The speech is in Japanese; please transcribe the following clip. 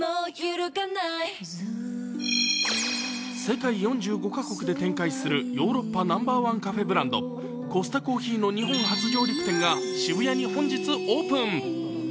世界４５か国で展開するヨーロッパナンバーワンカフェブランドコスタコーヒーの日本初上陸店が渋谷に本日オープン。